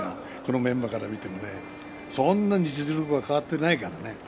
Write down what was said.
メンバーから見てもそんなに実力は変わっていないからね。